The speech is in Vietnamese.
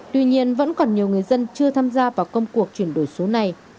tuy nhiên vẫn còn nhiều người dân chưa tham gia vào công cuộc chuyển đổi số này